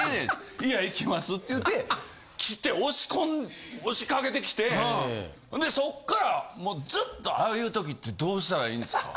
「いや行きます」って言うて来て押し込ん押しかけてきてほんでそっからもうずっと「ああいうときってどうしたらいいんですか？」